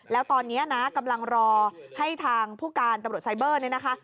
แล้วตอนนี้นะกำลังรอให้ทางผู้การตำรวจไซเบอร์เนี่ยนะคะ